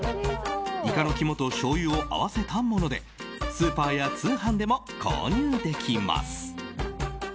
イカの肝としょうゆを合わせたものでスーパーや通販でも購入できます。